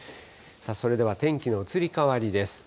それでは天気の移り変わりです。